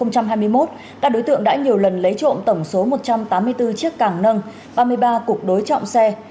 các đối tượng đã nhiều lần lấy trộm tổng số một trăm tám mươi bốn chiếc càng nâng ba mươi ba cục đối trọng xe